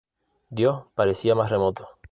Dios parecía más remoto.